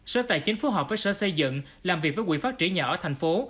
sở tài chính phù hợp với sở xây dựng làm việc với quỹ phát triển nhà ở thành phố